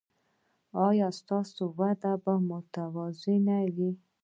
ایا ستاسو وده به متوازنه وي؟